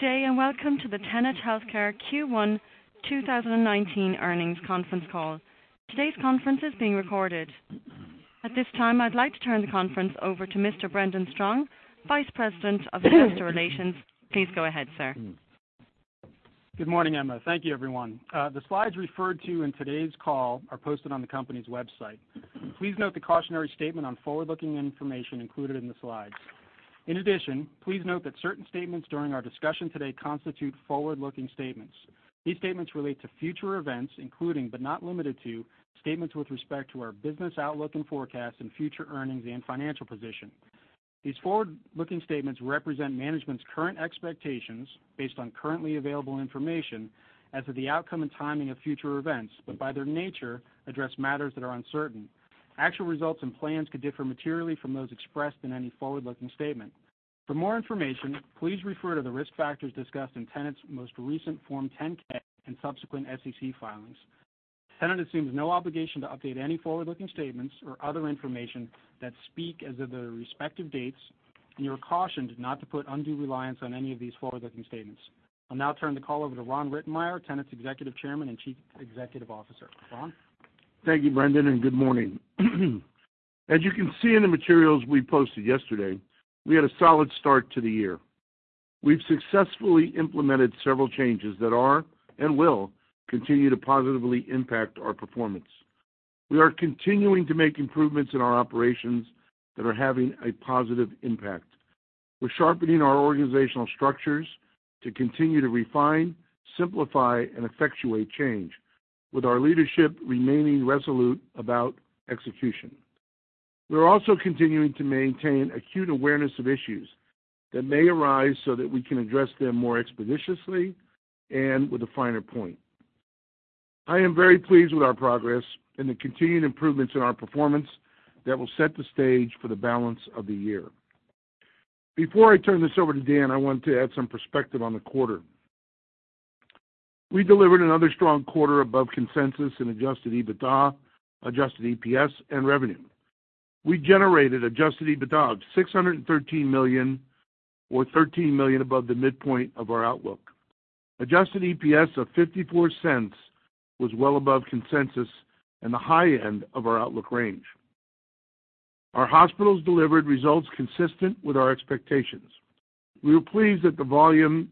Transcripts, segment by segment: Good day. Welcome to the Tenet Healthcare Q1 2019 earnings conference call. Today's conference is being recorded. At this time, I'd like to turn the conference over to Mr. Brendan Strong, Vice President of Investor Relations. Please go ahead, sir. Good morning, Emma. Thank you, everyone. The slides referred to in today's call are posted on the company's website. Please note the cautionary statement on forward-looking information included in the slides. Please note that certain statements during our discussion today constitute forward-looking statements. These statements relate to future events, including, but not limited to, statements with respect to our business outlook and forecasts and future earnings and financial position. These forward-looking statements represent management's current expectations based on currently available information as to the outcome and timing of future events. By their nature, address matters that are uncertain. Actual results and plans could differ materially from those expressed in any forward-looking statement. For more information, please refer to the risk factors discussed in Tenet's most recent Form 10-K and subsequent SEC filings. Tenet assumes no obligation to update any forward-looking statements or other information that speak as of their respective dates. You are cautioned not to put undue reliance on any of these forward-looking statements. I'll now turn the call over to Ron Rittenmeyer, Tenet's Executive Chairman and Chief Executive Officer. Ron? Thank you, Brendan. Good morning. As you can see in the materials we posted yesterday, we had a solid start to the year. We've successfully implemented several changes that are and will continue to positively impact our performance. We are continuing to make improvements in our operations that are having a positive impact. We're sharpening our organizational structures to continue to refine, simplify, and effectuate change, with our leadership remaining resolute about execution. We're also continuing to maintain acute awareness of issues that may arise so that we can address them more expeditiously and with a finer point. I am very pleased with our progress and the continuing improvements in our performance that will set the stage for the balance of the year. Before I turn this over to Dan, I want to add some perspective on the quarter. We delivered another strong quarter above consensus in Adjusted EBITDA, Adjusted EPS, and revenue. We generated Adjusted EBITDA of $613 million or $13 million above the midpoint of our outlook. Adjusted EPS of $0.54 was well above consensus and the high end of our outlook range. Our hospitals delivered results consistent with our expectations. We were pleased that the volume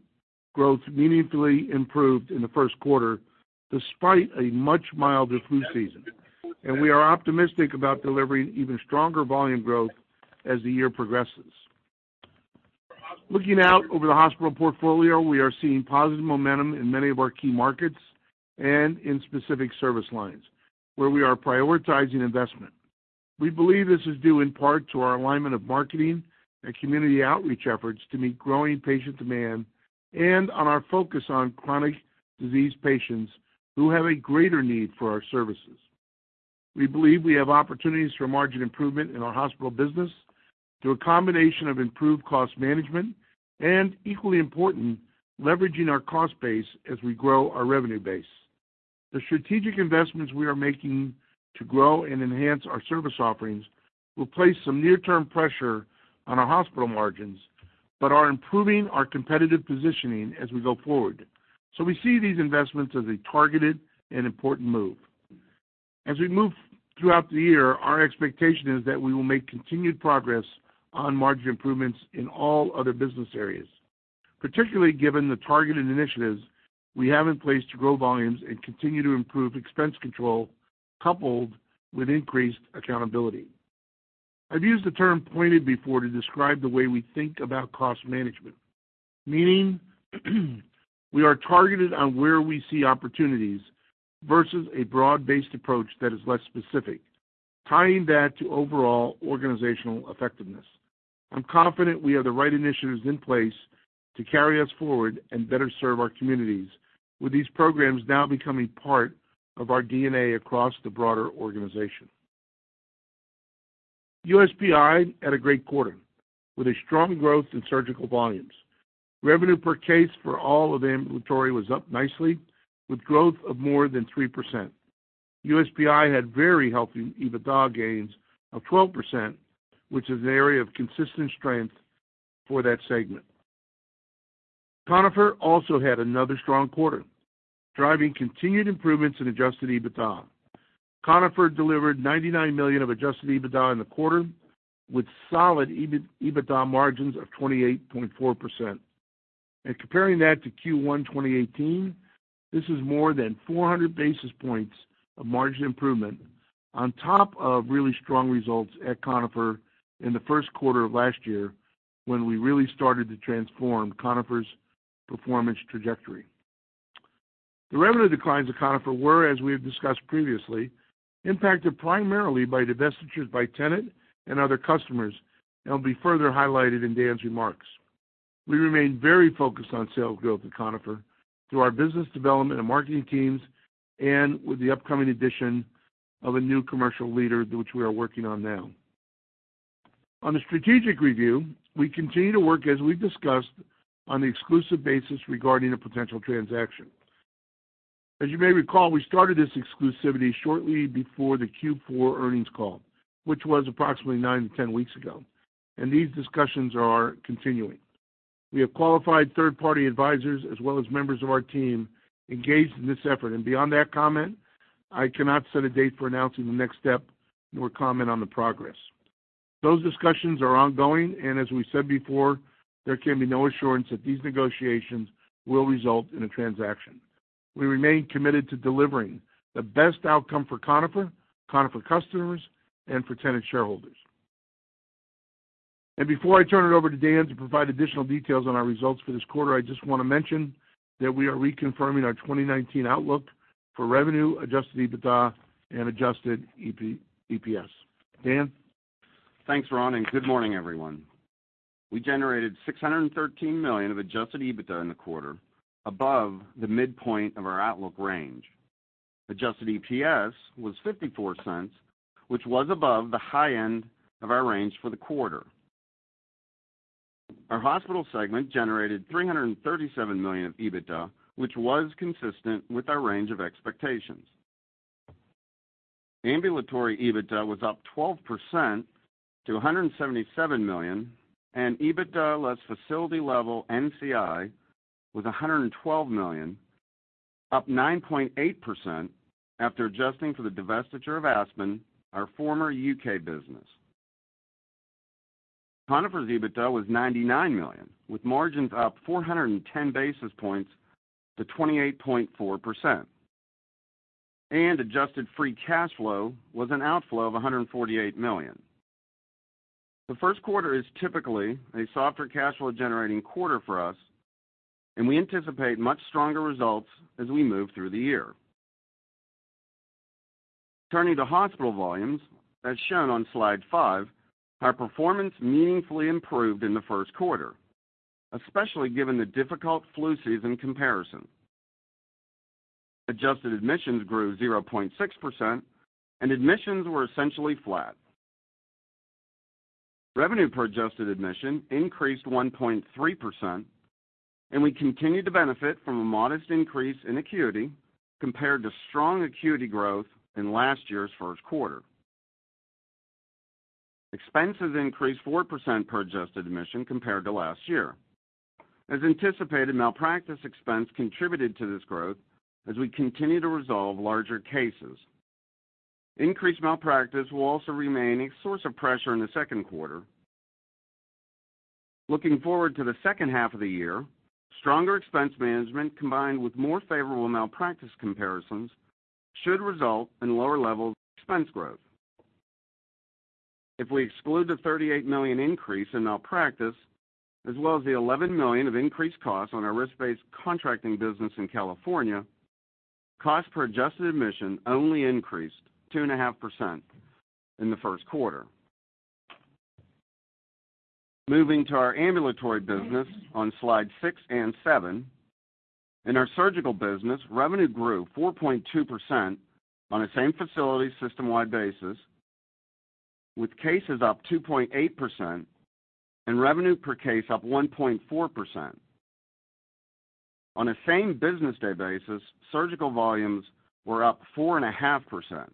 growth meaningfully improved in the first quarter despite a much milder flu season. We are optimistic about delivering even stronger volume growth as the year progresses. Looking out over the hospital portfolio, we are seeing positive momentum in many of our key markets and in specific service lines where we are prioritizing investment. We believe this is due in part to our alignment of marketing and community outreach efforts to meet growing patient demand and on our focus on chronic disease patients who have a greater need for our services. We believe we have opportunities for margin improvement in our hospital business through a combination of improved cost management and, equally important, leveraging our cost base as we grow our revenue base. The strategic investments we are making to grow and enhance our service offerings will place some near-term pressure on our hospital margins but are improving our competitive positioning as we go forward. We see these investments as a targeted and important move. As we move throughout the year, our expectation is that we will make continued progress on margin improvements in all other business areas, particularly given the targeted initiatives we have in place to grow volumes and continue to improve expense control coupled with increased accountability. I've used the term pointed before to describe the way we think about cost management, meaning we are targeted on where we see opportunities versus a broad-based approach that is less specific, tying that to overall organizational effectiveness. I'm confident we have the right initiatives in place to carry us forward and better serve our communities with these programs now becoming part of our DNA across the broader organization. USPI had a great quarter with a strong growth in surgical volumes. Revenue per case for all of ambulatory was up nicely with growth of more than 3%. USPI had very healthy EBITDA gains of 12%, which is an area of consistent strength for that segment. Conifer also had another strong quarter, driving continued improvements in Adjusted EBITDA. Conifer delivered $99 million of Adjusted EBITDA in the quarter with solid EBITDA margins of 28.4%. Comparing that to Q1 2018, this is more than 400 basis points of margin improvement on top of really strong results at Conifer in the first quarter of last year when we really started to transform Conifer's performance trajectory. The revenue declines of Conifer were, as we have discussed previously, impacted primarily by divestitures by Tenet and other customers and will be further highlighted in Dan's remarks. We remain very focused on sales growth at Conifer through our business development and marketing teams and with the upcoming addition of a new commercial leader, which we are working on now. On the strategic review, we continue to work as we've discussed on the exclusive basis regarding a potential transaction. As you may recall, we started this exclusivity shortly before the Q4 earnings call, which was approximately 9 to 10 weeks ago, and these discussions are continuing. We have qualified third-party advisors as well as members of our team engaged in this effort. Beyond that comment, I cannot set a date for announcing the next step, nor comment on the progress. Those discussions are ongoing, and as we said before, there can be no assurance that these negotiations will result in a transaction. We remain committed to delivering the best outcome for Conifer customers, and for Tenet shareholders. Before I turn it over to Dan to provide additional details on our results for this quarter, I just want to mention that we are reconfirming our 2019 outlook for revenue, Adjusted EBITDA, and Adjusted EPS. Dan? Thanks, Ron, and good morning, everyone. We generated $613 million of Adjusted EBITDA in the quarter, above the midpoint of our outlook range. Adjusted EPS was $0.54, which was above the high end of our range for the quarter. Our hospital segment generated $337 million of EBITDA, which was consistent with our range of expectations. Ambulatory EBITDA was up 12% to $177 million, and EBITDA less facility level NCI was $112 million, up 9.8% after adjusting for the divestiture of Aspen, our former U.K. business. Conifer's EBITDA was $99 million, with margins up 410 basis points to 28.4%. Adjusted Free Cash Flow was an outflow of $148 million. The first quarter is typically a softer cash flow-generating quarter for us, and we anticipate much stronger results as we move through the year. Turning to hospital volumes, as shown on slide five, our performance meaningfully improved in the first quarter, especially given the difficult flu season comparison. Adjusted admissions grew 0.6%, and admissions were essentially flat. Revenue per adjusted admission increased 1.3%, and we continued to benefit from a modest increase in acuity compared to strong acuity growth in last year's first quarter. Expenses increased 4% per adjusted admission compared to last year. As anticipated, malpractice expense contributed to this growth as we continue to resolve larger cases. Increased malpractice will also remain a source of pressure in the second quarter. Looking forward to the second half of the year, stronger expense management combined with more favorable malpractice comparisons should result in lower levels of expense growth. If we exclude the $38 million increase in Medical Malpractice, as well as the $11 million of increased costs on our risk-based contracting business in California, cost per adjusted admission only increased 2.5% in the first quarter. Moving to our ambulatory business on slide six and seven. In our surgical business, revenue grew 4.2% on a same-facility, system-wide basis, with cases up 2.8% and revenue per case up 1.4%. On a same-business-day basis, surgical volumes were up 4.5%.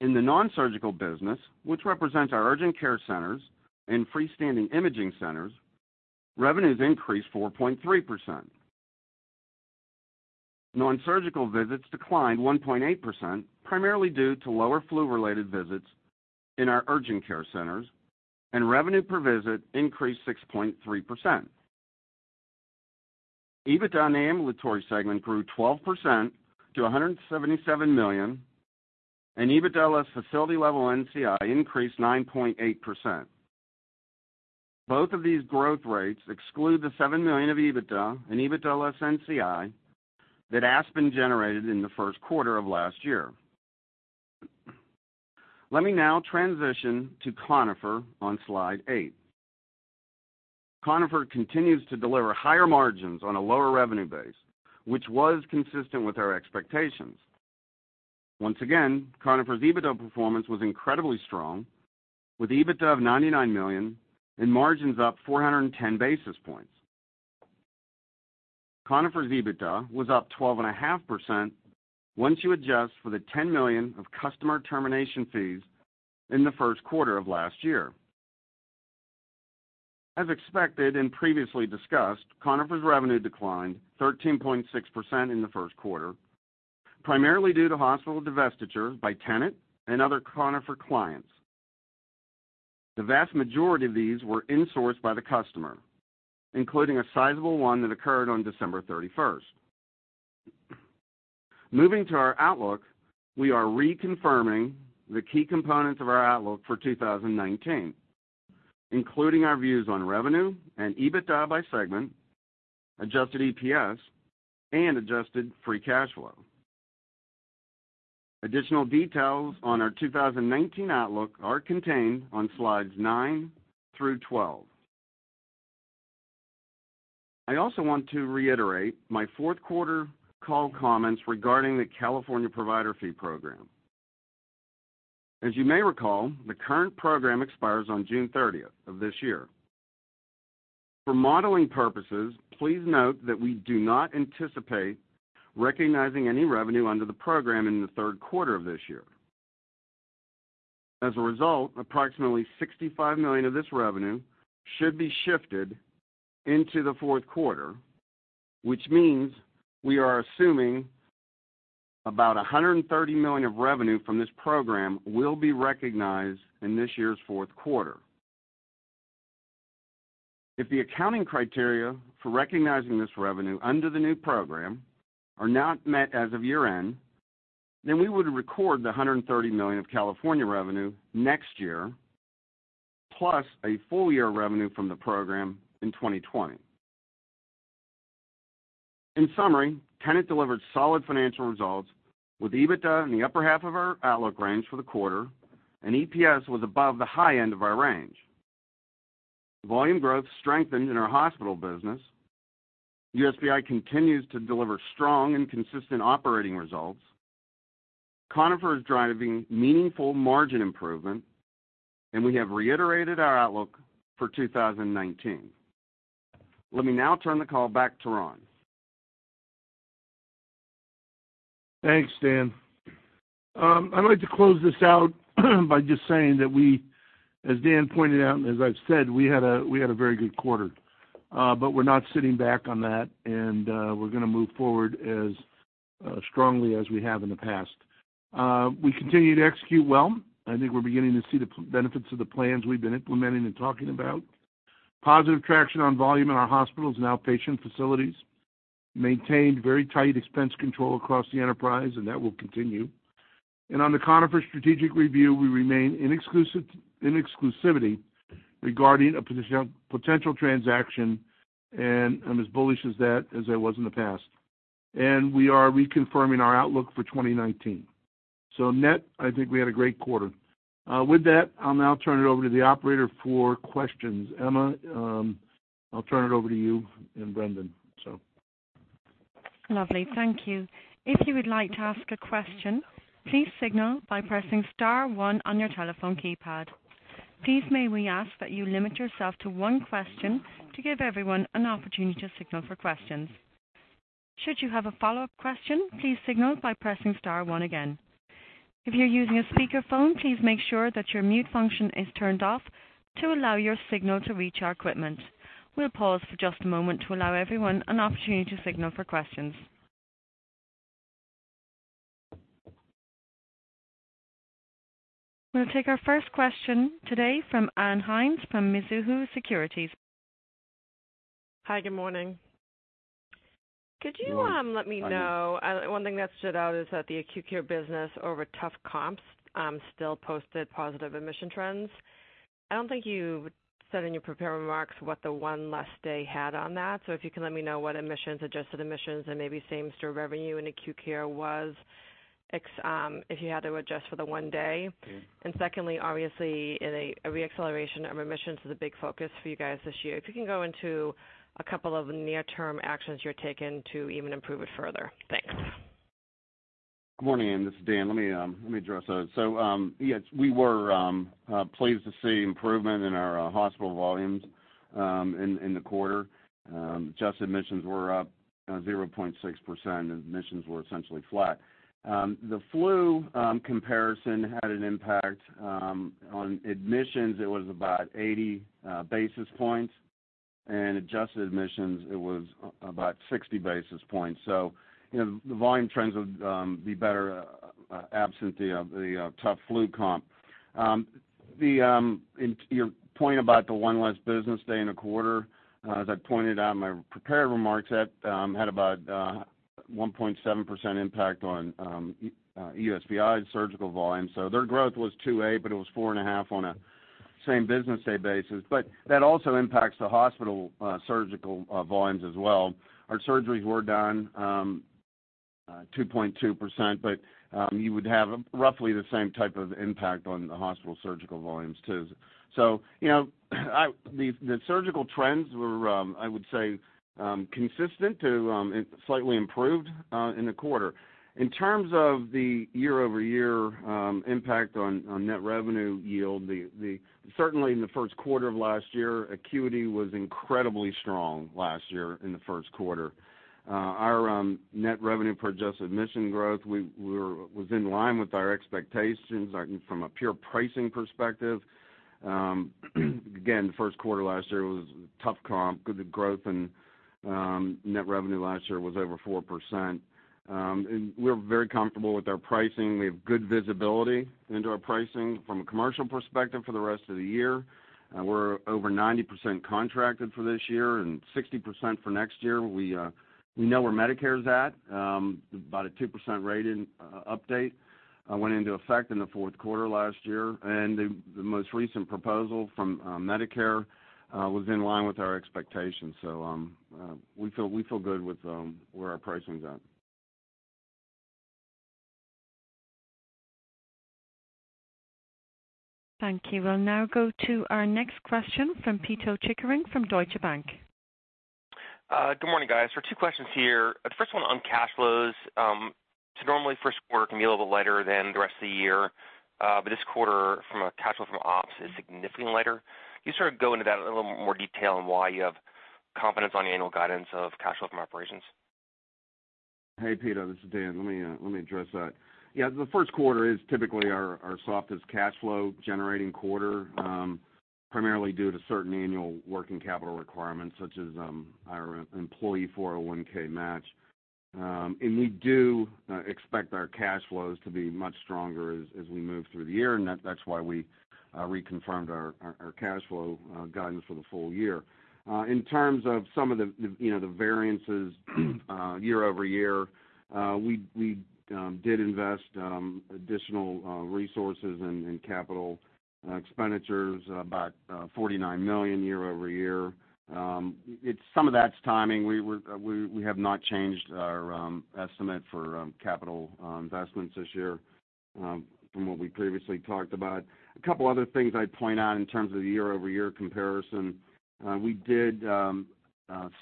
In the nonsurgical business, which represents our urgent care centers and freestanding imaging centers, revenues increased 4.3%. Nonsurgical visits declined 1.8%, primarily due to lower flu-related visits in our urgent care centers, and revenue per visit increased 6.3%. EBITDA in the ambulatory segment grew 12% to $177 million, and EBITDA less facility-level NCI increased 9.8%. Both of these growth rates exclude the $7 million of EBITDA and EBITDA less NCI that Aspen generated in the first quarter of last year. Let me now transition to Conifer on slide eight. Conifer continues to deliver higher margins on a lower revenue base, which was consistent with our expectations. Once again, Conifer's EBITDA performance was incredibly strong, with EBITDA of $99 million and margins up 410 basis points. Conifer's EBITDA was up 12.5% once you adjust for the $10 million of customer termination fees in the first quarter of last year. As expected and previously discussed, Conifer's revenue declined 13.6% in the first quarter, primarily due to hospital divestitures by Tenet and other Conifer clients. The vast majority of these were insourced by the customer, including a sizable one that occurred on December 31st. Moving to our outlook, we are reconfirming the key components of our outlook for 2019, including our views on revenue and EBITDA by segment, Adjusted EPS, and Adjusted Free Cash Flow. Additional details on our 2019 outlook are contained on slides nine through 12. I also want to reiterate my fourth quarter call comments regarding the California Provider Fee Program. As you may recall, the current program expires on June 30th of this year. For modeling purposes, please note that we do not anticipate recognizing any revenue under the program in the third quarter of this year. As a result, approximately $65 million of this revenue should be shifted into the fourth quarter, which means we are assuming about $130 million of revenue from this program will be recognized in this year's fourth quarter. If the accounting criteria for recognizing this revenue under the new program are not met as of year-end, we would record the $130 million of California revenue next year, plus a full-year revenue from the program in 2020. In summary, Tenet delivered solid financial results with EBITDA in the upper half of our outlook range for the quarter, and EPS was above the high end of our range. Volume growth strengthened in our hospital business. USPI continues to deliver strong and consistent operating results. Conifer is driving meaningful margin improvement, and we have reiterated our outlook for 2019. Let me now turn the call back to Ron. Thanks, Dan. I'd like to close this out by just saying that we, as Dan pointed out and as I've said, we had a very good quarter. We're not sitting back on that, and we're going to move forward as strongly as we have in the past. We continue to execute well. I think we're beginning to see the benefits of the plans we've been implementing and talking about. Positive traction on volume in our hospitals and outpatient facilities, maintained very tight expense control across the enterprise, and that will continue. On the Conifer strategic review, we remain in exclusivity regarding a potential transaction, and I'm as bullish as that as I was in the past. We are reconfirming our outlook for 2019. Net, I think we had a great quarter. With that, I'll now turn it over to the operator for questions. Emma, I'll turn it over to you and Brendan. Lovely. Thank you. If you would like to ask a question, please signal by pressing star one on your telephone keypad. Please may we ask that you limit yourself to one question to give everyone an opportunity to signal for questions. Should you have a follow-up question, please signal by pressing star one again. If you're using a speakerphone, please make sure that your mute function is turned off to allow your signal to reach our equipment. We'll pause for just a moment to allow everyone an opportunity to signal for questions. We'll take our first question today from Ann Hynes from Mizuho Securities. Hi, good morning. Morning. Could you let me know, one thing that stood out is that the acute care business over tough comps still posted positive admission trends. I don't think you said in your prepared remarks what the one less day had on that. If you can let me know what admissions, adjusted admissions, and maybe same-store revenue and acute care was, if you had to adjust for the one day. Secondly, obviously, in a re-acceleration of admissions is a big focus for you guys this year. If you can go into a couple of near-term actions you're taking to even improve it further. Thanks. Good morning, Ann. This is Dan. Let me address those. Yes, we were pleased to see improvement in our hospital volumes in the quarter. Adjusted admissions were up 0.6%, admissions were essentially flat. The flu comparison had an impact. On admissions, it was about 80 basis points, and adjusted admissions, it was about 60 basis points. The volume trends would be better absent the tough flu comp. Your point about the one less business day in a quarter, as I pointed out in my prepared remarks, that had about a 1.7% impact on USPI surgical volume. Their growth was 2A, but it was 4.5 on a same-business day basis. That also impacts the hospital surgical volumes as well. Our surgeries were down 2.2%, you would have roughly the same type of impact on the hospital surgical volumes, too. The surgical trends were, I would say, consistent to slightly improved in the quarter. In terms of the year-over-year impact on net revenue yield, certainly in the first quarter of last year, acuity was incredibly strong last year in the first quarter. Our net revenue per adjusted admission growth was in line with our expectations from a pure pricing perspective. Again, the first quarter last year was a tough comp. The growth in net revenue last year was over 4%. We're very comfortable with our pricing. We have good visibility into our pricing from a commercial perspective for the rest of the year. We're over 90% contracted for this year and 60% for next year. We know where Medicare's at. About a 2% rate update went into effect in the fourth quarter last year, the most recent proposal from Medicare was in line with our expectations. We feel good with where our pricing's at. Thank you. We'll now go to our next question from Pito Chickering from Deutsche Bank. Good morning, guys. Two questions here. The first one on cash flows. Normally first quarter can be a little bit lighter than the rest of the year, but this quarter from a cash flow from ops is significantly lighter. Can you go into that in a little more detail on why you have confidence on annual guidance of cash flow from operations? Hey, Pito, this is Dan. Let me address that. The first quarter is typically our softest cash flow generating quarter, primarily due to certain annual working capital requirements such as our employee 401 match. We do expect our cash flows to be much stronger as we move through the year, and that's why we reconfirmed our cash flow guidance for the full year. In terms of some of the variances year-over-year, we did invest additional resources and capital expenditures about $49 million year-over-year. Some of that's timing. We have not changed our estimate for capital investments this year from what we previously talked about. A couple other things I'd point out in terms of the year-over-year comparison. We did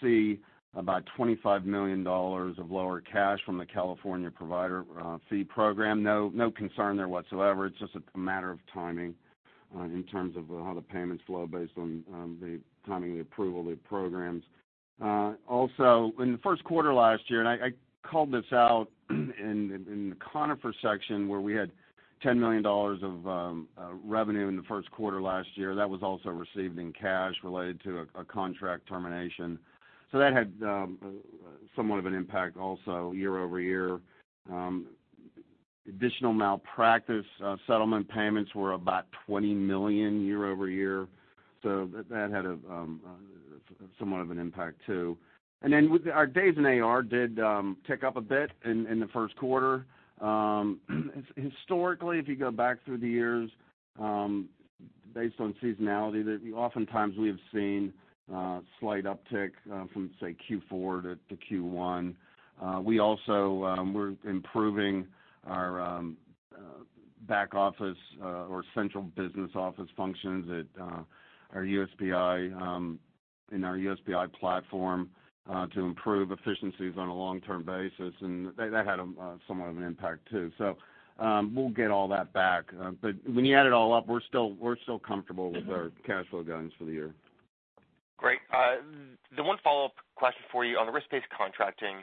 see about $25 million of lower cash from the California provider fee program. No concern there whatsoever. It's just a matter of timing in terms of how the payments flow based on the timing of the approval of the programs. Also, in the first quarter last year, I called this out in the Conifer section, where we had $10 million of revenue in the first quarter last year. That was also received in cash related to a contract termination. That had somewhat of an impact also year-over-year. Additional malpractice settlement payments were about $20 million year-over-year. That had somewhat of an impact, too. Our days in AR did tick up a bit in the first quarter. Historically, if you go back through the years, based on seasonality, oftentimes we have seen a slight uptick from, say, Q4 to Q1. We also were improving our back office or central business office functions in our USPI platform to improve efficiencies on a long-term basis. That had somewhat of an impact, too. We'll get all that back. When you add it all up, we're still comfortable with our cash flow guidance for the year. Great. The one follow-up question for you on the risk-based contracting.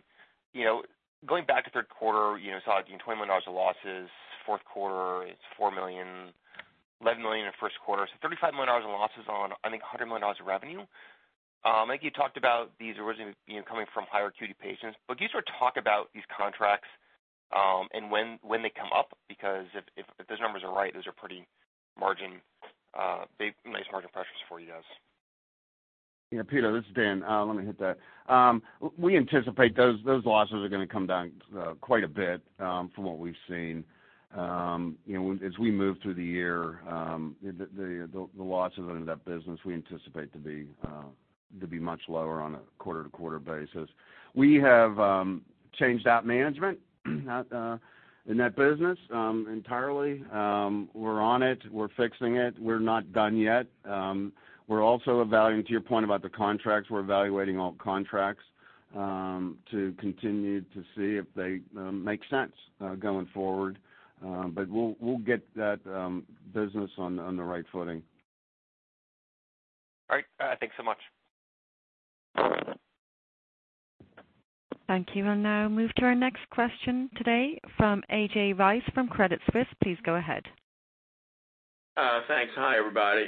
Going back to third quarter, you saw $20 million of losses. Fourth quarter, it's $4 million, $11 million in the first quarter. $35 million in losses on, I think, $100 million of revenue. I think you talked about these originally coming from higher acuity patients, can you talk about these contracts and when they come up? If those numbers are right, those are pretty nice margin pressures for you guys. Yeah, Pito, this is Dan. Let me hit that. We anticipate those losses are going to come down quite a bit from what we've seen. As we move through the year, the losses in that business we anticipate to be much lower on a quarter-to-quarter basis. We have changed out management in that business entirely. We're on it. We're fixing it. We're not done yet. To your point about the contracts, we're evaluating all contracts to continue to see if they make sense going forward. We'll get that business on the right footing. All right. Thanks so much. Thank you. I'll now move to our next question today from A.J. Rice from Credit Suisse. Please go ahead. Thanks. Hi, everybody.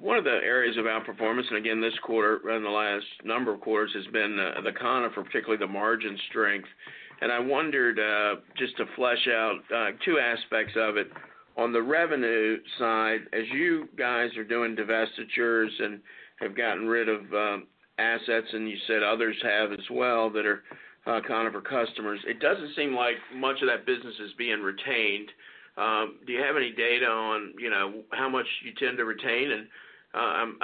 One of the areas of outperformance, again this quarter and the last number of quarters, has been the Conifer, particularly the margin strength. I wondered, just to flesh out two aspects of it. On the revenue side, as you guys are doing divestitures and have gotten rid of assets, you said others have as well that are Conifer customers, it doesn't seem like much of that business is being retained. Do you have any data on how much you tend to retain? I'm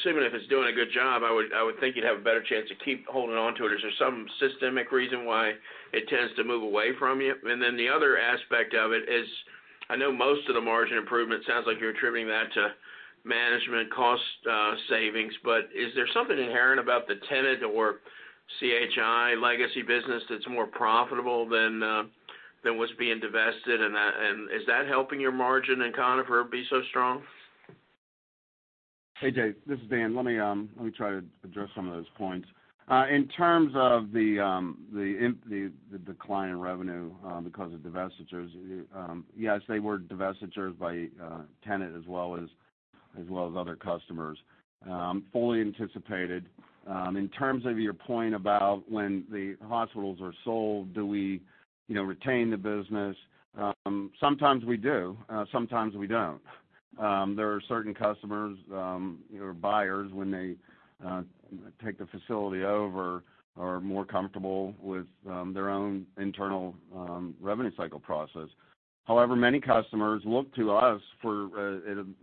assuming if it's doing a good job, I would think you'd have a better chance to keep holding onto it. Is there some systemic reason why it tends to move away from you? The other aspect of it is I know most of the margin improvement sounds like you're attributing that to management cost savings, but is there something inherent about the Tenet or CHI legacy business that's more profitable than what's being divested, and is that helping your margin in Conifer be so strong? A.J., this is Dan. Let me try to address some of those points. In terms of the decline in revenue because of divestitures, yes, they were divestitures by Tenet as well as other customers. Fully anticipated. In terms of your point about when the hospitals are sold, do we retain the business? Sometimes we do, sometimes we don't. There are certain customers or buyers when they take the facility over, are more comfortable with their own internal revenue cycle process. However, many customers look to us for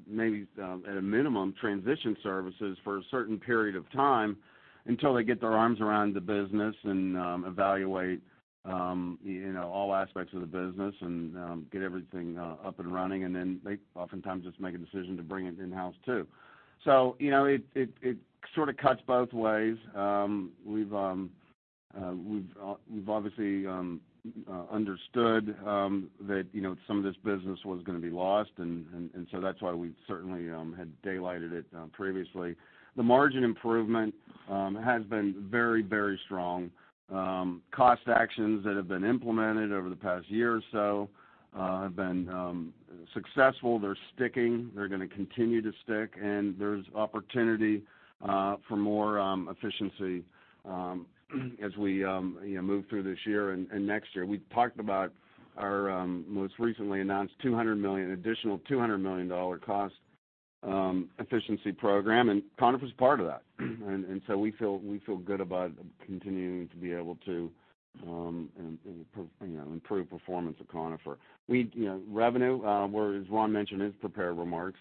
maybe at a minimum transition services for a certain period of time. Until they get their arms around the business and evaluate all aspects of the business and get everything up and running, and then they oftentimes just make a decision to bring it in-house too. It sort of cuts both ways. We've obviously understood that some of this business was going to be lost. That's why we certainly had daylighted it previously. The margin improvement has been very strong. Cost actions that have been implemented over the past year or so have been successful. They're sticking. They're going to continue to stick, and there's opportunity for more efficiency as we move through this year and next year. We talked about our most recently announced additional $200 million cost efficiency program, and Conifer's part of that. We feel good about continuing to be able to improve performance of Conifer. Revenue, as Ron mentioned in his prepared remarks,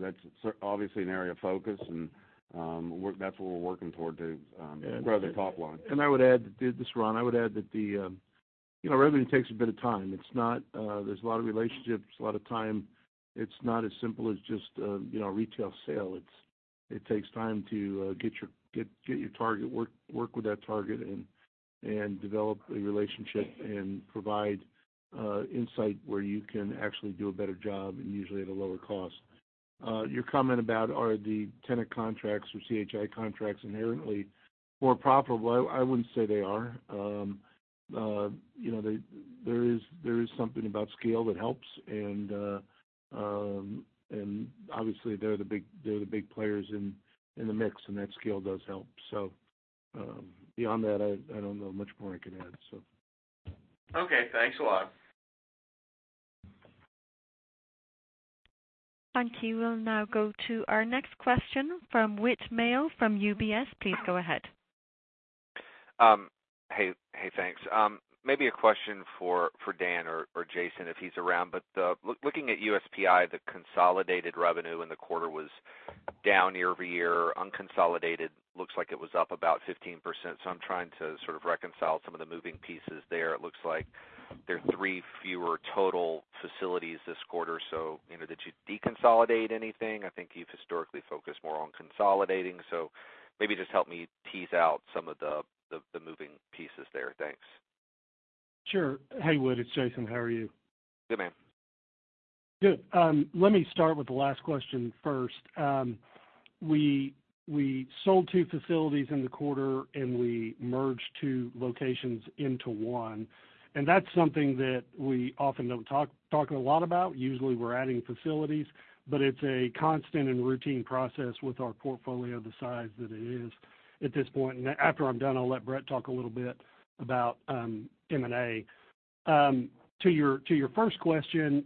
that's obviously an area of focus and that's what we're working toward to grow the top line. I would add, this is Ron, I would add that the revenue takes a bit of time. There's a lot of relationships, a lot of time. It's not as simple as just a retail sale. It takes time to get your target, work with that target, and develop a relationship and provide insight where you can actually do a better job and usually at a lower cost. Your comment about are the Tenet contracts or CHI contracts inherently more profitable, I wouldn't say they are. There is something about scale that helps, and obviously, they're the big players in the mix, and that scale does help. Beyond that, I don't know much more I can add. Okay, thanks a lot. Thank you. We'll now go to our next question from Whit Mayo from UBS. Please go ahead. Hey, thanks. Maybe a question for Dan or Jason if he's around. Looking at USPI, the consolidated revenue in the quarter was down year-over-year. Unconsolidated, looks like it was up about 15%. I'm trying to sort of reconcile some of the moving pieces there. It looks like there are three fewer total facilities this quarter. Did you deconsolidate anything? I think you've historically focused more on consolidating, maybe just help me tease out some of the moving pieces there. Thanks. Sure. Hey, Whit, it's Jason. How are you? Good, man. Good. Let me start with the last question first. We sold two facilities in the quarter, we merged two locations into one, that's something that we often don't talk a lot about. Usually, we're adding facilities, it's a constant and routine process with our portfolio the size that it is at this point. After I'm done, I'll let Brett talk a little bit about M&A. To your first question,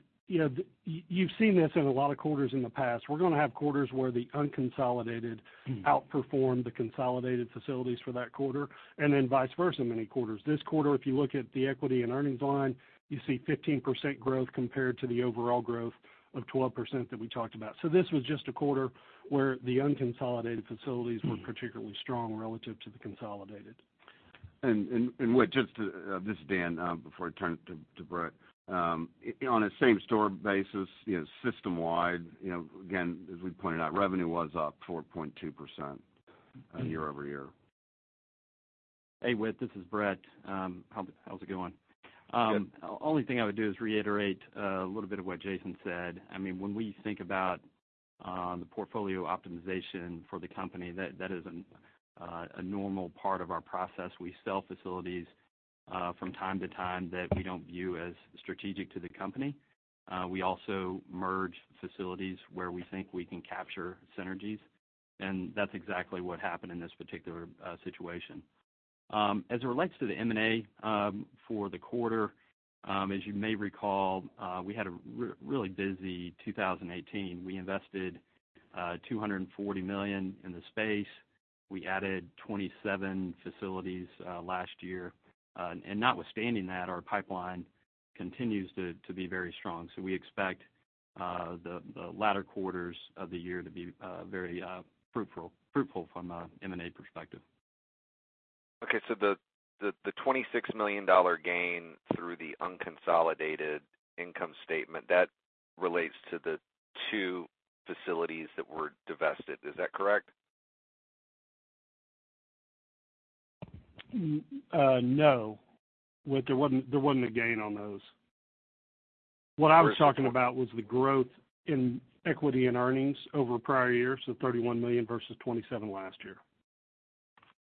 you've seen this in a lot of quarters in the past. We're going to have quarters where the unconsolidated outperform the consolidated facilities for that quarter, then vice versa in many quarters. This quarter, if you look at the equity and earnings line, you see 15% growth compared to the overall growth of 12% that we talked about. This was just a quarter where the unconsolidated facilities were particularly strong relative to the consolidated. Whit, this is Dan before I turn it to Brett. On a same store basis, system wide, again, as we pointed out, revenue was up 4.2% year-over-year. Hey, Whit, this is Brett. How's it going? Good. Only thing I would do is reiterate a little bit of what Jason said. When we think about the portfolio optimization for the company, that is a normal part of our process. We sell facilities from time to time that we don't view as strategic to the company. We also merge facilities where we think we can capture synergies, and that's exactly what happened in this particular situation. As it relates to the M&A for the quarter, as you may recall, we had a really busy 2018. We invested $240 million in the space. We added 27 facilities last year. Notwithstanding that, our pipeline continues to be very strong. We expect the latter quarters of the year to be very fruitful from an M&A perspective. Okay, the $26 million gain through the unconsolidated income statement, that relates to the two facilities that were divested. Is that correct? No. There wasn't a gain on those. What I was talking about was the growth in equity and earnings over prior years, so $31 million versus $27 million last year.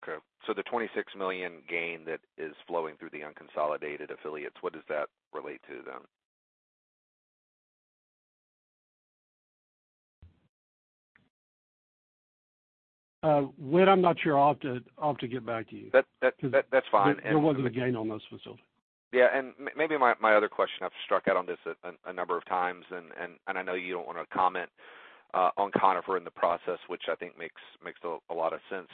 Okay. The $26 million gain that is flowing through the unconsolidated affiliates, what does that relate to, then? Whit, I'm not sure. I'll have to get back to you. That's fine. There wasn't a gain on those facilities. Yeah, maybe my other question, I've struck out on this a number of times, and I know you don't want to comment on Conifer in the process, which I think makes a lot of sense.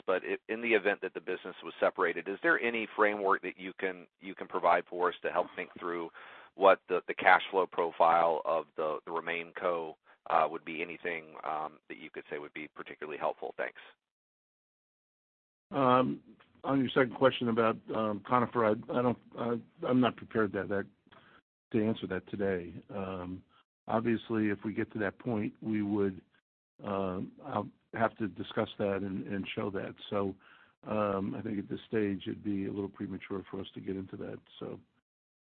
In the event that the business was separated, is there any framework that you can provide for us to help think through what the cash flow profile of the remain co would be? Anything that you could say would be particularly helpful. Thanks. On your second question about Conifer, I'm not prepared to answer that today. Obviously, if we get to that point, I'll have to discuss that and show that. I think at this stage, it'd be a little premature for us to get into that.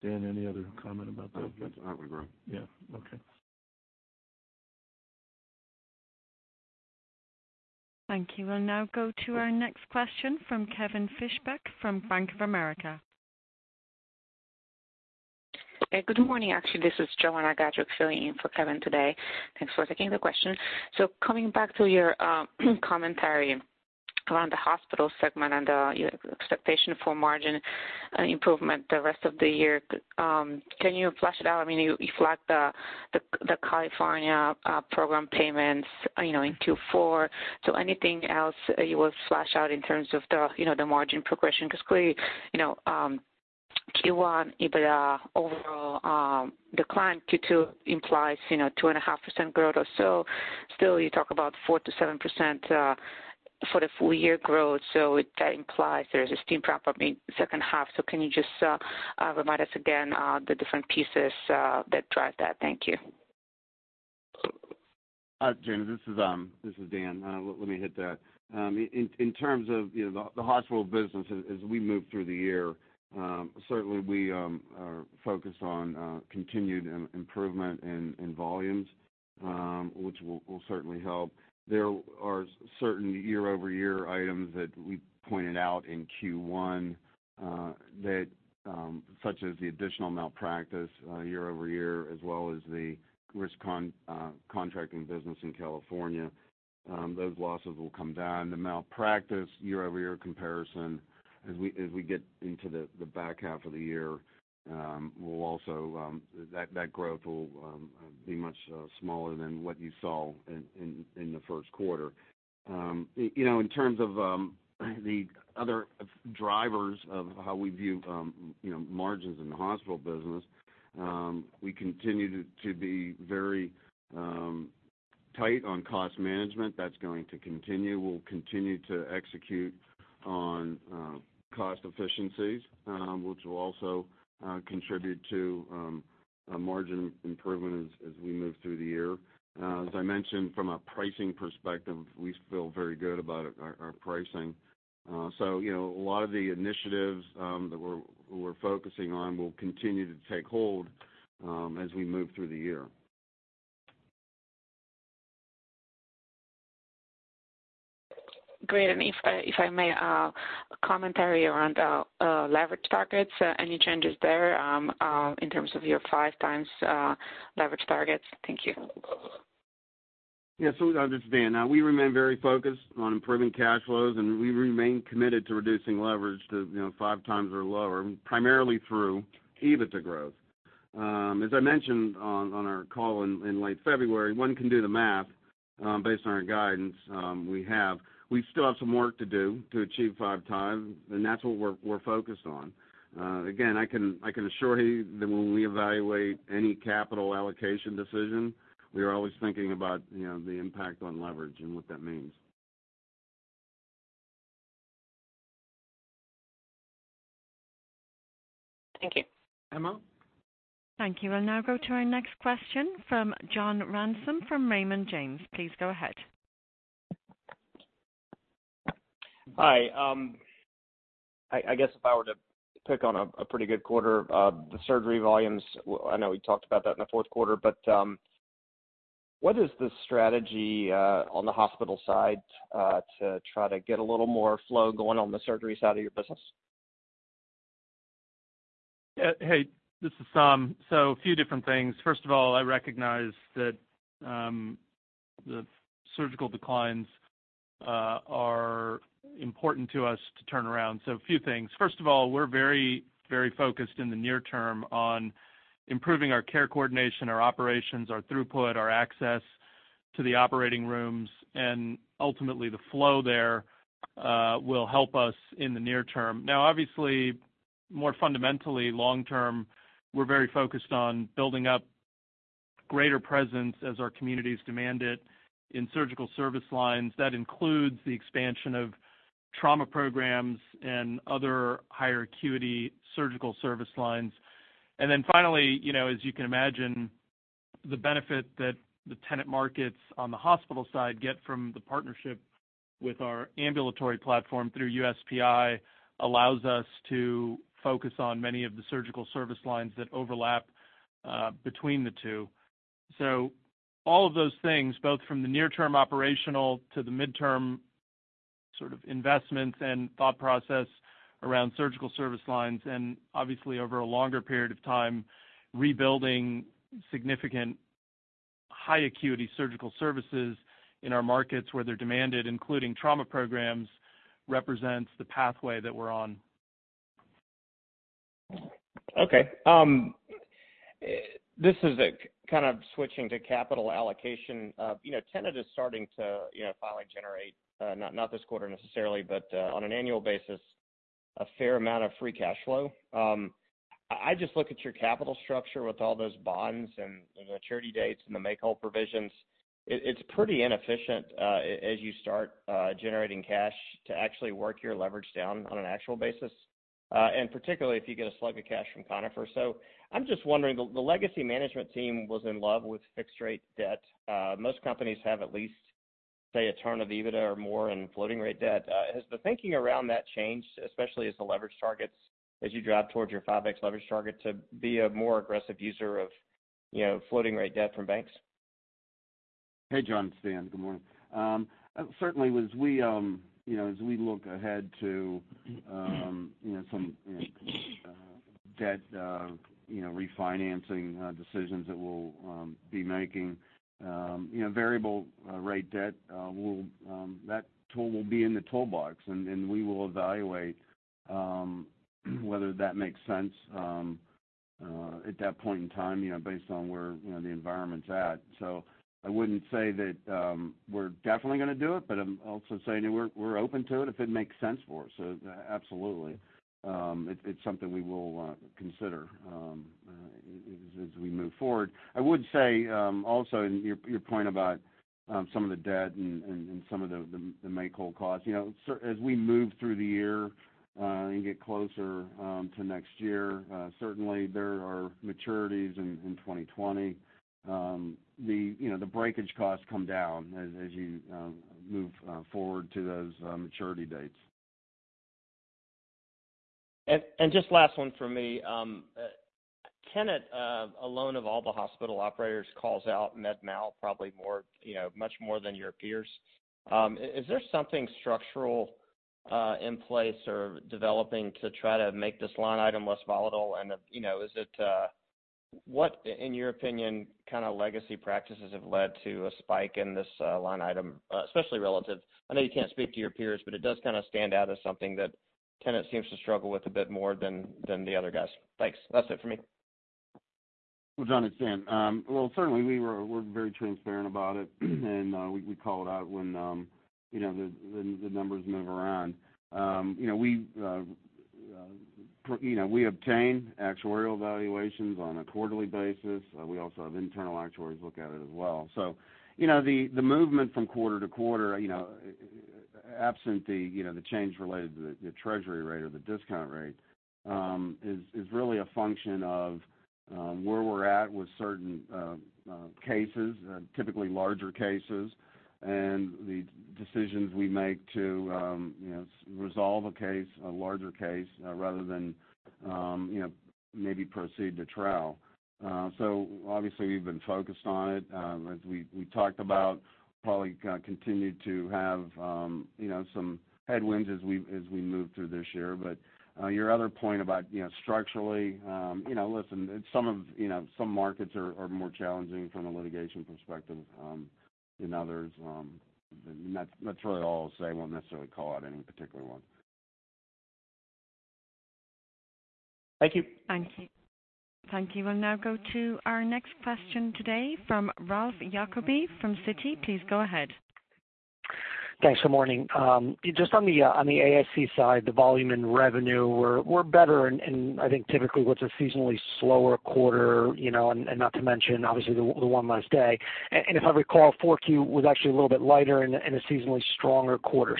Dan, any other comment about that? I would agree. Yeah. Okay. Thank you. We'll now go to our next question from Kevin Fischbeck from Bank of America. Hey, good morning. Actually, this is Joanna Gajuk filling in for Kevin today. Thanks for taking the question. Coming back to your commentary around the hospital segment and your expectation for margin improvement the rest of the year, can you flesh it out? You flagged the California program payments in Q4. Anything else you will flesh out in terms of the margin progression? Q1 EBITDA overall declined. Q2 implies 2.5% growth or so. Still, you talk about 4%-7% for the full year growth. That implies there is a steep drop in the second half. Can you just remind us again the different pieces that drive that? Thank you. Joanna, this is Dan. Let me hit that. In terms of the hospital business, as we move through the year, certainly we are focused on continued improvement in volumes, which will certainly help. There are certain year-over-year items that we pointed out in Q1, such as the additional malpractice year-over-year, as well as the risk contracting business in California. Those losses will come down. The malpractice year-over-year comparison, as we get into the back half of the year, that growth will be much smaller than what you saw in the first quarter. In terms of the other drivers of how we view margins in the hospital business, we continue to be very tight on cost management. That's going to continue. We'll continue to execute on cost efficiencies, which will also contribute to margin improvement as we move through the year. As I mentioned, from a pricing perspective, we feel very good about our pricing. A lot of the initiatives that we're focusing on will continue to take hold as we move through the year. Great. If I may, commentary around leverage targets. Any changes there in terms of your 5 times leverage targets? Thank you. Yeah. This is Dan. We remain very focused on improving cash flows, and we remain committed to reducing leverage to 5 times or lower, primarily through EBITDA growth. As I mentioned on our call in late February, one can do the math based on our guidance we have. We still have some work to do to achieve 5 times, and that's what we're focused on. Again, I can assure you that when we evaluate any capital allocation decision, we are always thinking about the impact on leverage and what that means. Thank you. Emma? Thank you. We'll now go to our next question from John Ransom from Raymond James. Please go ahead. Hi. I guess if I were to pick on a pretty good quarter, the surgery volumes, I know we talked about that in the fourth quarter, but what is the strategy on the hospital side to try to get a little more flow going on the surgery side of your business? Hey, this is Tom. A few different things. First of all, I recognize that the surgical declines are important to us to turn around. A few things. First of all, we're very focused in the near term on improving our care coordination, our operations, our throughput, our access to the operating rooms, and ultimately, the flow there will help us in the near term. Obviously, more fundamentally long term, we're very focused on building up greater presence as our communities demand it in surgical service lines. That includes the expansion of trauma programs and other higher acuity surgical service lines. Finally, as you can imagine, the benefit that the Tenet markets on the hospital side get from the partnership with our ambulatory platform through USPI allows us to focus on many of the surgical service lines that overlap between the two. All of those things, both from the near-term operational to the midterm sort of investments and thought process around surgical service lines, and obviously over a longer period of time, rebuilding significant high acuity surgical services in our markets where they're demanded, including trauma programs, represents the pathway that we're on. Okay. This is kind of switching to capital allocation. Tenet Healthcare is starting to finally generate, not this quarter necessarily, but on an annual basis a fair amount of free cash flow. I just look at your capital structure with all those bonds and the maturity dates and the make-whole provisions. It's pretty inefficient, as you start generating cash to actually work your leverage down on an actual basis. Particularly if you get a slug of cash from Conifer Health Solutions. I'm just wondering, the legacy management team was in love with fixed rate debt. Most companies have at least, say, a turn of EBITDA or more in floating rate debt. Has the thinking around that changed, especially as the leverage targets, as you drive towards your 5x leverage target to be a more aggressive user of floating rate debt from banks? Hey, John, it's Dan. Good morning. Certainly, as we look ahead to some debt refinancing decisions that we'll be making. Variable rate debt, that tool will be in the toolbox, and we will evaluate whether that makes sense at that point in time, based on where the environment's at. I wouldn't say that we're definitely going to do it, but I'm also saying we're open to it if it makes sense for us. Absolutely, it's something we will consider as we move forward. I would say, also in your point about some of the debt and some of the make-whole costs. As we move through the year, and get closer to next year, certainly there are maturities in 2020. The breakage costs come down as you move forward to those maturity dates. Just last one from me. Tenet Healthcare, alone of all the hospital operators, calls out Medical Malpractice probably much more than your peers. Is there something structural in place or developing to try to make this line item less volatile? What, in your opinion, kind of legacy practices have led to a spike in this line item, especially I know you can't speak to your peers, but it does kind of stand out as something that Tenet Healthcare seems to struggle with a bit more than the other guys. Thanks. That's it for me. John, it's Dan. Certainly we're very transparent about it and we call it out when the numbers move around. We obtain actuarial valuations on a quarterly basis. We also have internal actuaries look at it as well. The movement from quarter to quarter, absent the change related to the treasury rate or the discount rate, is really a function of where we're at with certain cases, typically larger cases, and the decisions we make to resolve a case, a larger case, rather than maybe proceed to trial. Obviously we've been focused on it. As we talked about, probably continue to have some headwinds as we move through this year. Your other point about structurally, listen, some markets are more challenging from a litigation perspective than others. That's really all I'll say. Won't necessarily call out any particular one. Thank you. Thank you. We'll now go to our next question today from Ralph Giacobbe from Citi. Please go ahead. Thanks. Good morning. Just on the ASC side, the volume and revenue were better in, I think typically what's a seasonally slower quarter, and not to mention obviously the one less day. If I recall, 4Q was actually a little bit lighter and a seasonally stronger quarter.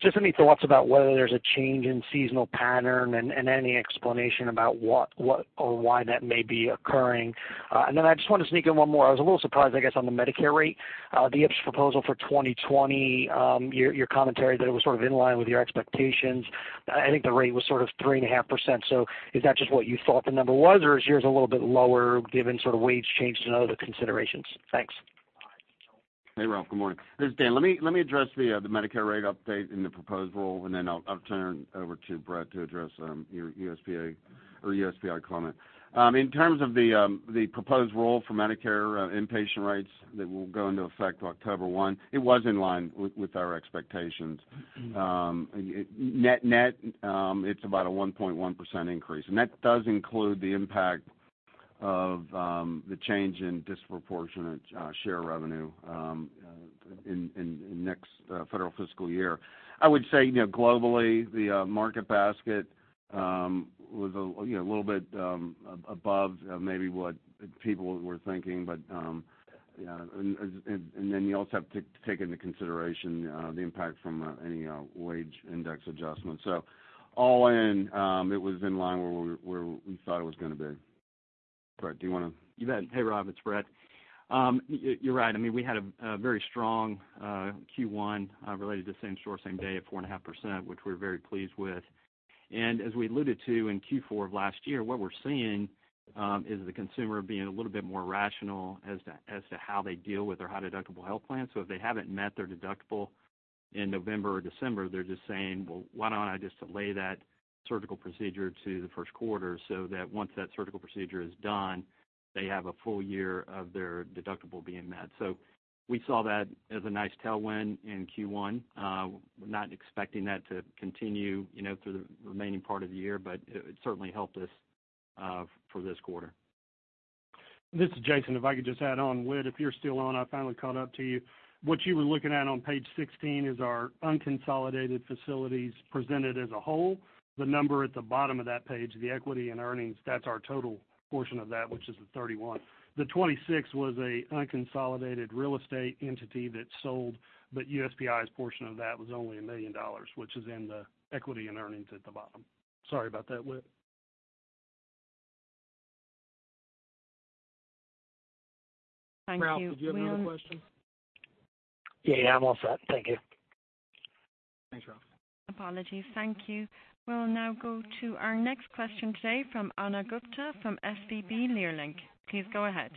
Just any thoughts about whether there's a change in seasonal pattern and any explanation about what or why that may be occurring. Then I just want to sneak in one more. I was a little surprised, I guess, on the Medicare rate, the IPPS proposal for 2020, your commentary that it was sort of in line with your expectations. I think the rate was sort of 3.5%. Is that just what you thought the number was, or is yours a little bit lower given sort of wage change and other considerations? Thanks. Hey, Ralph. Good morning. This is Dan. Let me address the Medicare rate update and the proposed rule, then I'll turn over to Brett to address your USPI comment. In terms of the proposed rule for Medicare inpatient rates that will go into effect October 1, it was in line with our expectations. Net, it's about a 1.1% increase. That does include the impact of the change in disproportionate share revenue in next federal fiscal year. I would say, globally, the market basket was a little bit above maybe what people were thinking. Then you also have to take into consideration the impact from any wage index adjustment. All in, it was in line where we thought it was going to be. Brett, do you want to? You bet. Hey, Ralph, it's Brett. You're right. We had a very strong Q1 related to same store, same day at 4.5%, which we're very pleased with. As we alluded to in Q4 of last year, what we're seeing is the consumer being a little bit more rational as to how they deal with their high deductible health plan. If they haven't met their deductible in November or December, they're just saying, "Well, why don't I just delay that surgical procedure to the first quarter so that once that surgical procedure is done, they have a full year of their deductible being met." We saw that as a nice tailwind in Q1. We're not expecting that to continue through the remaining part of the year, but it certainly helped us for this quarter. This is Jason. If I could just add on, Whit, if you're still on, I finally caught up to you. What you were looking at on page 16 is our unconsolidated facilities presented as a whole. The number at the bottom of that page, the equity and earnings, that's our total portion of that, which is the 31. The 26 was a unconsolidated real estate entity that sold, but USPI's portion of that was only $1 million, which is in the equity and earnings at the bottom. Sorry about that, Whit. Thank you. Ralph, did you have another question? Yeah, I'm all set. Thank you. Thanks, Ralph. Apologies. Thank you. We'll now go to our next question today from Ana Gupte from SVB Leerink. Please go ahead.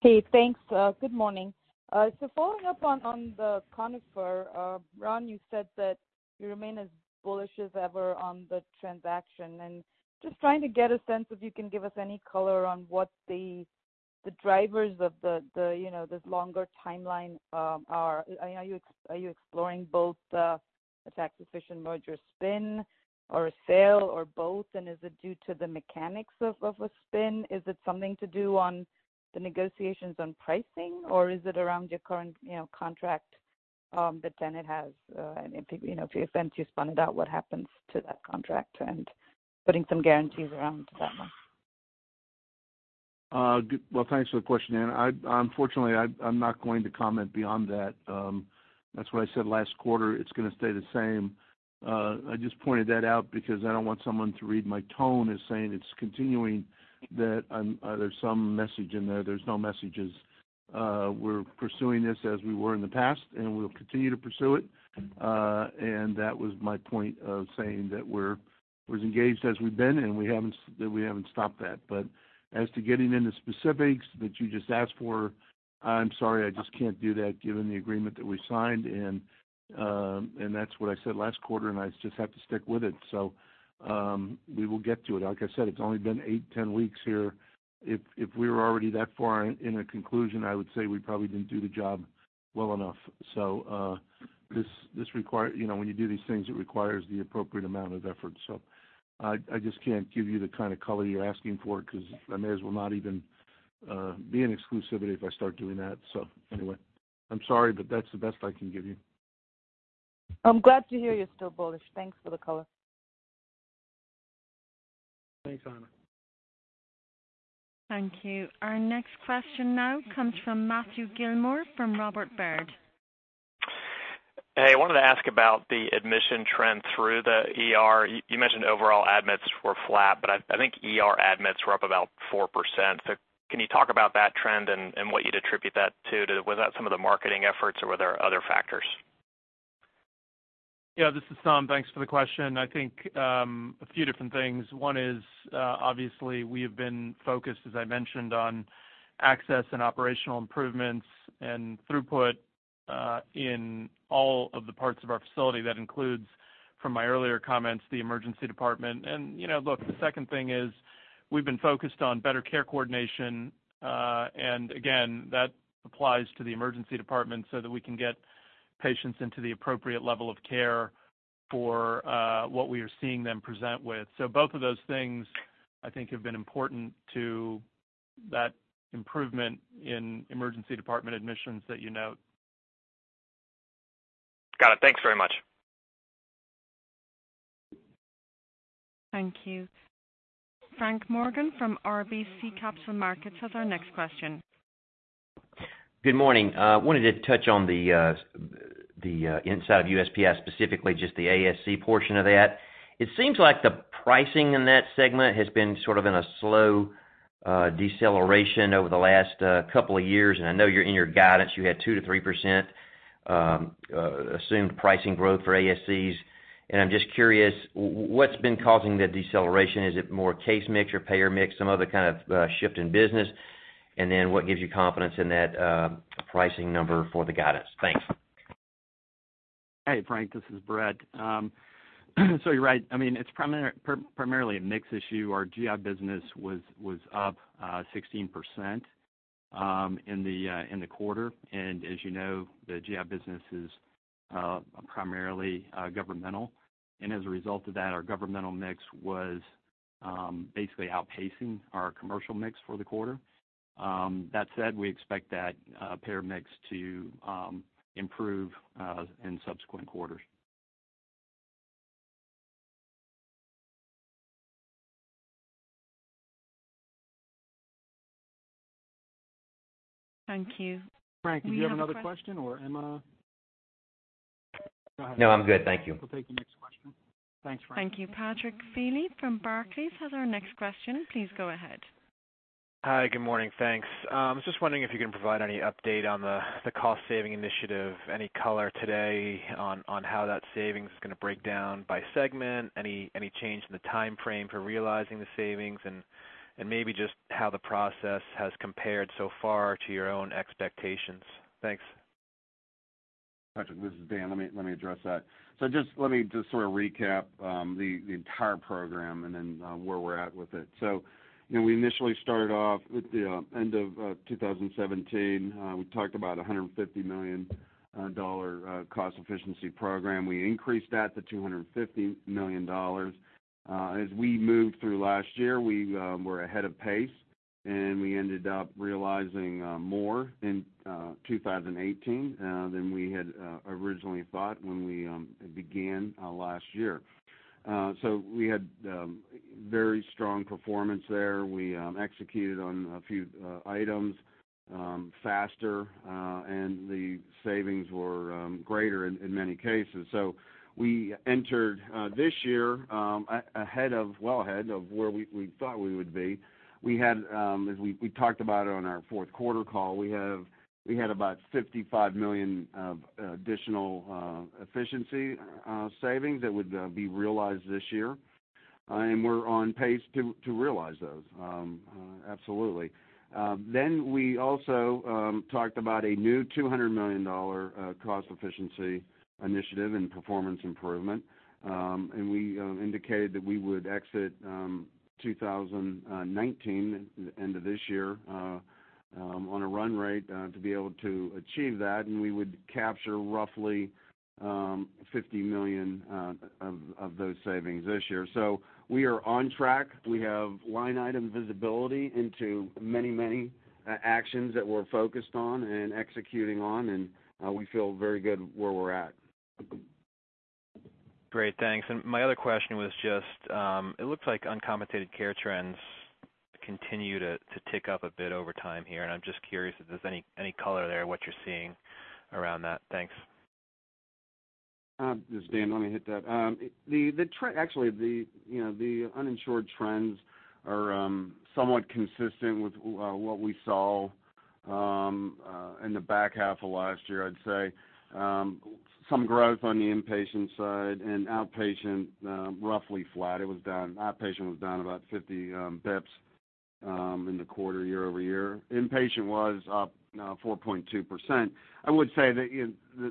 Hey, thanks. Good morning. Following up on the Conifer. Ron, you said that you remain as bullish as ever on the transaction, just trying to get a sense if you can give us any color on what the drivers of this longer timeline are. Are you exploring both the tax-efficient merger spin or a sale or both? Is it due to the mechanics of a spin? Is it something to do on the negotiations on pricing, or is it around your current contract that Tenet has? If your spin spun out, what happens to that contract and putting some guarantees around that one? Well, thanks for the question, Ana. Unfortunately, I'm not going to comment beyond that. That's what I said last quarter. It's going to stay the same. I just pointed that out because I don't want someone to read my tone as saying it's continuing, that there's some message in there. There's no messages. We're pursuing this as we were in the past, and we'll continue to pursue it. That was my point of saying that we're as engaged as we've been, and that we haven't stopped that. As to getting into specifics that you just asked for, I'm sorry, I just can't do that given the agreement that we signed and that's what I said last quarter, and I just have to stick with it. We will get to it. Like I said, it's only been eight, 10 weeks here. If we were already that far in a conclusion, I would say we probably didn't do the job well enough. When you do these things, it requires the appropriate amount of effort. I just can't give you the kind of color you're asking for, because I may as well not even be in exclusivity if I start doing that. Anyway, I'm sorry, but that's the best I can give you. I'm glad to hear you're still bullish. Thanks for the color. Thanks, Ana. Thank you. Our next question now comes from Matthew Gillmor from Robert W. Baird. Hey, I wanted to ask about the admission trend through the ER. You mentioned overall admits were flat, but I think ER admits were up about 4%. Can you talk about that trend and what you'd attribute that to? Was that some of the marketing efforts or were there other factors? Yeah, this is Tom. Thanks for the question. I think, a few different things. One is, obviously, we have been focused, as I mentioned, on access and operational improvements and throughput, in all of the parts of our facility. That includes, from my earlier comments, the emergency department. Look, the second thing is we've been focused on better care coordination. Again, that applies to the emergency department, so that we can get patients into the appropriate level of care for what we are seeing them present with. Both of those things, I think, have been important to that improvement in emergency department admissions that you note. Got it. Thanks very much. Thank you. Frank Morgan from RBC Capital Markets has our next question. Good morning. Wanted to touch on the inside of USPI, specifically just the ASC portion of that. It seems like the pricing in that segment has been sort of in a slow deceleration over the last couple of years, I know in your guidance, you had 2%-3% assumed pricing growth for ASCs. I'm just curious, what's been causing the deceleration? Is it more case mix or payer mix, some other kind of shift in business? Then what gives you confidence in that pricing number for the guidance? Thanks. Hey, Frank, this is Brett. You're right. It's primarily a mix issue. Our GI business was up 16% in the quarter. As you know, the GI business is primarily governmental. As a result of that, our governmental mix was basically outpacing our commercial mix for the quarter. That said, we expect that payer mix to improve in subsequent quarters. Thank you. Frank, do you have another question? Go ahead. No, I'm good. Thank you. We'll take the next question. Thanks, Frank. Thank you. Patrick Feely from Barclays has our next question. Please go ahead. Hi, good morning. Thanks. I was just wondering if you can provide any update on the cost-saving initiative, any color today on how that savings is going to break down by segment, any change in the timeframe for realizing the savings, and maybe just how the process has compared so far to your own expectations. Thanks. Patrick, this is Dan. Let me address that. Let me just sort of recap the entire program and where we're at with it. We initially started off with the end of 2017. We talked about a $150 million cost efficiency program. We increased that to $250 million. As we moved through last year, we were ahead of pace We ended up realizing more in 2018 than we had originally thought when we began last year. We had very strong performance there. We executed on a few items faster, and the savings were greater in many cases. We entered this year well ahead of where we thought we would be. We talked about it on our fourth quarter call. We had about $55 million of additional efficiency savings that would be realized this year. We're on pace to realize those. Absolutely. We also talked about a new $200 million cost efficiency initiative in performance improvement. We indicated that we would exit 2019, the end of this year, on a run rate to be able to achieve that, and we would capture roughly $50 million of those savings this year. We are on track. We have line item visibility into many actions that we're focused on and executing on, and we feel very good where we're at. Great, thanks. My other question was just, it looks like uncompensated care trends continue to tick up a bit over time here, and I'm just curious if there's any color there, what you're seeing around that. Thanks. This is Dan. Let me hit that. Actually, the uninsured trends are somewhat consistent with what we saw in the back half of last year, I'd say. Some growth on the inpatient side and outpatient, roughly flat. Outpatient was down about 50 basis points in the quarter, year-over-year. Inpatient was up 4.2%. I would say that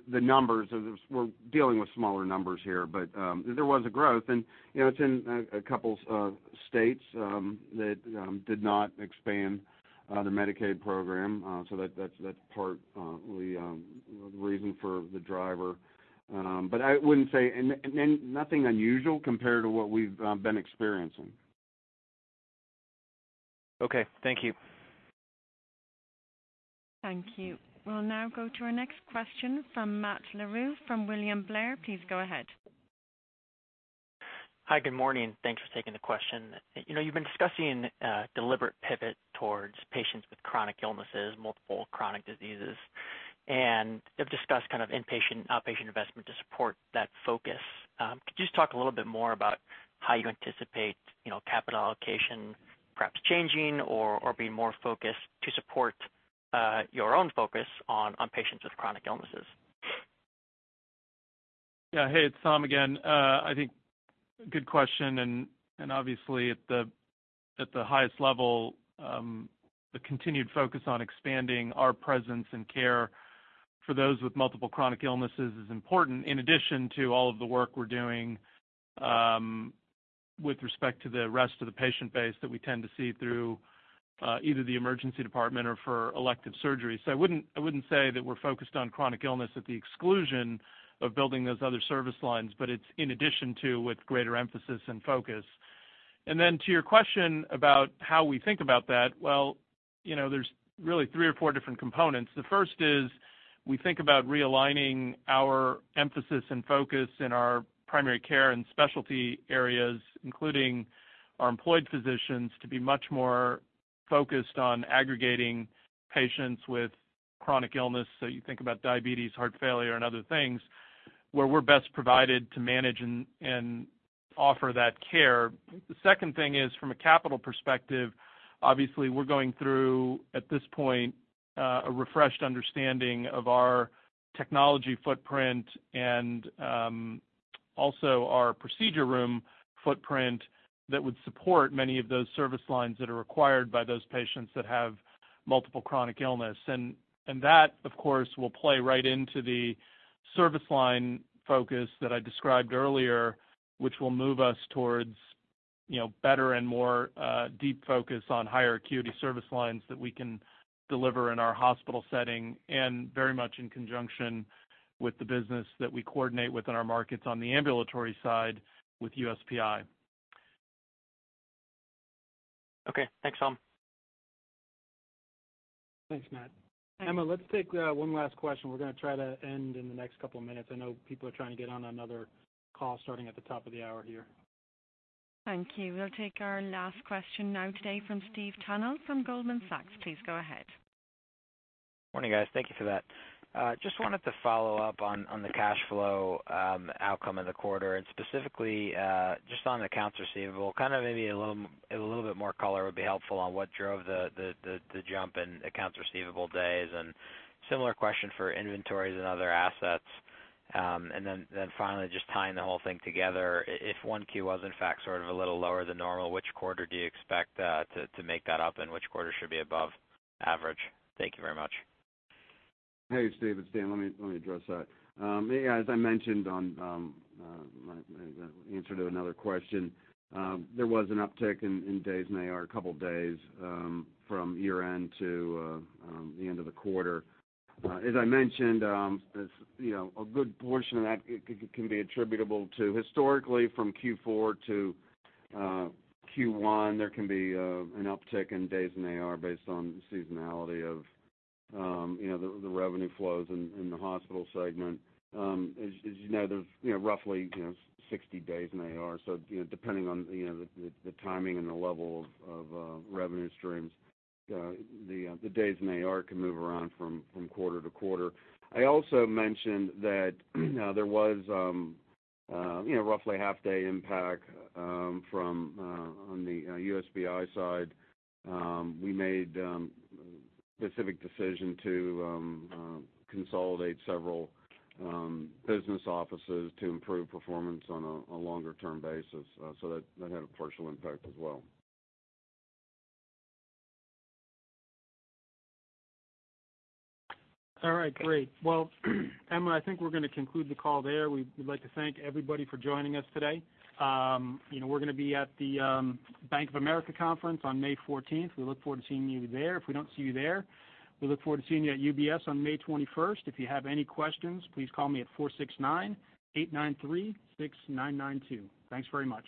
the numbers, we're dealing with smaller numbers here, but there was a growth, and it's in a couple states that did not expand the Medicaid program. That's partly the reason for the driver. Nothing unusual compared to what we've been experiencing. Okay. Thank you. Thank you. We'll now go to our next question from Matt LoRusso from William Blair. Please go ahead. Hi. Good morning. Thanks for taking the question. You've been discussing a deliberate pivot towards patients with chronic illnesses, multiple chronic diseases, and you have discussed kind of inpatient and outpatient investment to support that focus. Could you just talk a little bit more about how you anticipate capital allocation perhaps changing or being more focused to support your own focus on patients with chronic illnesses? Hey, it's Tom again. I think good question, and obviously at the highest level, the continued focus on expanding our presence in care for those with multiple chronic illnesses is important, in addition to all of the work we're doing with respect to the rest of the patient base that we tend to see through either the emergency department or for elective surgery. I wouldn't say that we're focused on chronic illness at the exclusion of building those other service lines, but it's in addition to, with greater emphasis and focus. To your question about how we think about that, well, there's really three or four different components. The first is we think about realigning our emphasis and focus in our primary care and specialty areas, including our employed physicians, to be much more focused on aggregating patients with chronic illness. You think about diabetes, heart failure, and other things, where we're best provided to manage and offer that care. The second thing is, from a capital perspective, obviously, we're going through, at this point, a refreshed understanding of our technology footprint and also our procedure room footprint that would support many of those service lines that are required by those patients that have multiple chronic illness. That, of course, will play right into the service line focus that I described earlier, which will move us towards better and more deep focus on higher acuity service lines that we can deliver in our hospital setting, and very much in conjunction with the business that we coordinate within our markets on the ambulatory side with USPI. Okay. Thanks, Tom. Thanks, Matt. Emma, let's take one last question. We're going to try to end in the next couple of minutes. I know people are trying to get on another call starting at the top of the hour here. Thank you. We'll take our last question now today from Stephen Tanal from Goldman Sachs. Please go ahead. Morning, guys. Thank you for that. Just wanted to follow up on the cash flow outcome of the quarter and specifically, just on accounts receivable, kind of maybe a little bit more color would be helpful on what drove the jump in accounts receivable days, and similar question for inventories and other assets. Then finally, just tying the whole thing together, if 1Q was in fact sort of a little lower than normal, which quarter do you expect to make that up, and which quarter should be above average? Thank you very much. Hey, Steve, it's Dan. Let me address that. As I mentioned on my answer to another question, there was an uptick in days in AR, a couple days, from year-end to the end of the quarter. As I mentioned, a good portion of that can be attributable to historically from Q4 to Q1, there can be an uptick in days in AR based on the seasonality of the revenue flows in the hospital segment. As you know, there's roughly 60 days in AR, so depending on the timing and the level of revenue streams, the days in AR can move around from quarter to quarter. I also mentioned that there was roughly a half-day impact from on the USPI side. We made a specific decision to consolidate several business offices to improve performance on a longer-term basis. That had a partial impact as well. All right, great. Well, Emma, I think we're going to conclude the call there. We'd like to thank everybody for joining us today. We're going to be at the Bank of America conference on May 14th. We look forward to seeing you there. If we don't see you there, we look forward to seeing you at UBS on May 21st. If you have any questions, please call me at 469-893-6992. Thanks very much.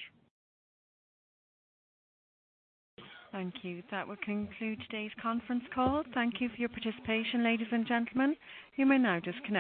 Thank you. That will conclude today's conference call. Thank you for your participation, ladies and gentlemen. You may now disconnect.